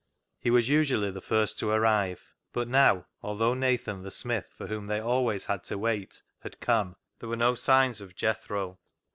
He was usually the first to arrive ; but now, although Nathan, the smith, for whom they always had to wait, had come, there were no signs of Jethro.